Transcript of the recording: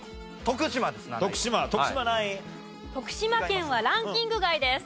徳島県はランキング外です。